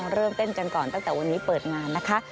เริ่มเต้นกันก่อนตั้งแต่วันนี้เปิดงานนะคะ